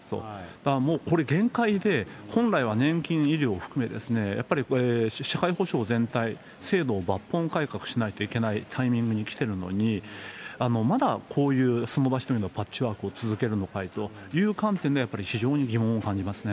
だからもう、これ限界で、本来は、年金、医療含め、社会保障全体、制度を抜本改革しないといけないタイミングに来てるのに、まだこういうその場しのぎのパッチワークを続けるのかいという観点で、非常に疑問を感じますね。